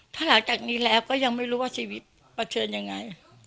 ถ้าหลังจากนี้แล้วก็ยังไม่รู้ว่าชีวิตเผชิญยังไง